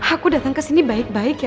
aku datang kesini baik baik ya